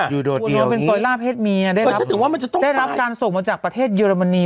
อยู่โดดเดียวนี้เป็นกอลิราเพศเมียได้รับการส่งมาจากประเทศเยอรมนี